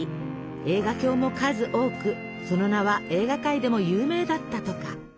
映画評も数多くその名は映画界でも有名だったとか。